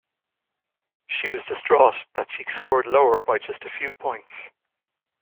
She was distraught that she scored lower by just a few points.